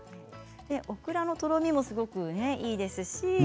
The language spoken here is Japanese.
オクラのとろみもいいですね。